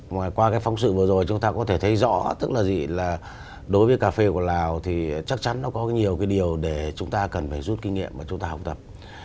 ngoài qua cái phóng sự vừa rồi chúng ta có thể thấy rõ tức là gì là đối với cà phê của lào thì chắc chắn nó có nhiều cái điều để chúng ta cần phải rút kinh nghiệm và chúng ta học tập